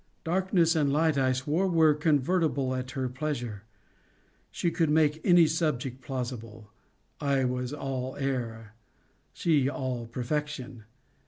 Darkness and light, I swore, were convertible at her pleasure: she could make any subject plausible. I was all error: she all perfection.